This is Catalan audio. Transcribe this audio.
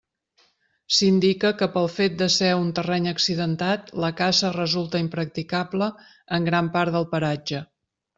S'indica que pel fet de ser un terreny accidentat la caça resulta impracticable en gran part del paratge.